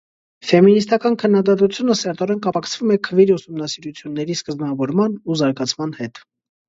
Ֆեմինիստական քննադատությունը սերտորեն կապակցվում է քվիր ուսումնասիրությունների սկզբնավորման ու զարգացման հետ։